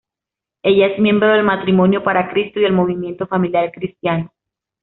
Ella es miembro de Matrimonios para Cristo y el Movimiento Familiar Cristiano.